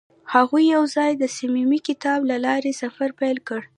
هغوی یوځای د صمیمي کتاب له لارې سفر پیل کړ.